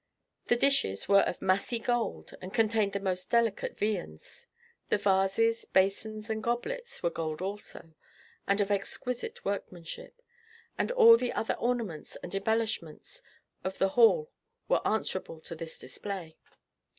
The dishes were of massy gold, and contained the most delicate viands. The vases, basins, and goblets were gold also, and of exquisite workmanship, and all the other ornaments and embellishments of the hall were answerable to this display.